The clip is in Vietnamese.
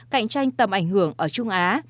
cạnh tranh tầm ảnh hưởng ở trung á